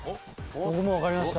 僕もうわかりました。